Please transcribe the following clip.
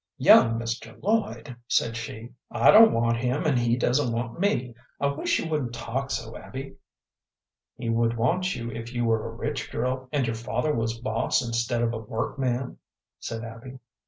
"Young Mr. Lloyd!" said she. "I don't want him, and he doesn't want me. I wish you wouldn't talk so, Abby." "He would want you if your were a rich girl, and your father was boss instead of a workman," said Abby.